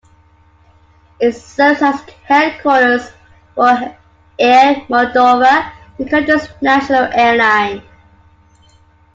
It serves as headquarters for Air Moldova, the country's national airline.